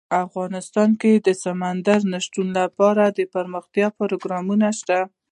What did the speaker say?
افغانستان کې د سمندر نه شتون لپاره دپرمختیا پروګرامونه شته.